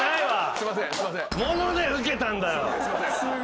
すいません。